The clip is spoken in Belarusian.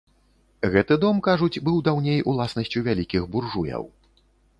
Гэты дом, кажуць, быў даўней уласнасцю вялікіх буржуяў.